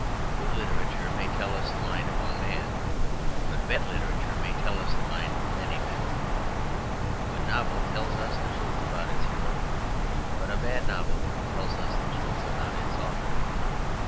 Good literature may tell us the mind of one man; but bad literature may tell us the mind of many men. A good novel tells us the truth about its hero; but a bad novel tells us the truth about its author.